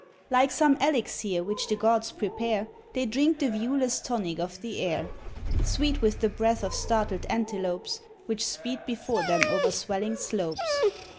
Like some elixir which the gods prepare, They drink the viewless tonic of the air, Sweet with the breath of startled antelopes Which speed before them over swelling slopes.